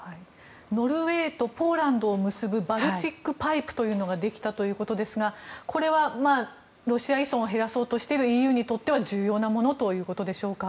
ノルウェーとポーランドを結ぶバルチック・パイプというのができたということですがこれはロシア依存を減らそうとしているＥＵにとっては重要なものということでしょうか。